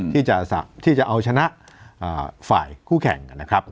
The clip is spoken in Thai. ที่จะเอาชนะฝ่ายคู่แข่งนะครับ